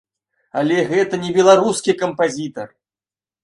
Але гэта не беларускі кампазітар.